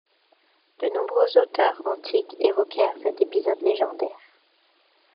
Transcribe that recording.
De nombreux auteurs antiques évoquèrent cet épisode légendaire.